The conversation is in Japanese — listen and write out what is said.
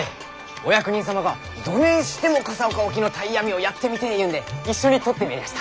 お役人様がどねんしても笠岡沖の鯛網をやってみてぇいうんで一緒にとってめえりゃした。